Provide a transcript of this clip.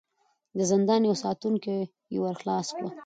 د زندان يوه ساتونکي يو ور خلاص کړ.